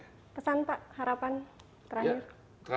pesan pak harapan terakhir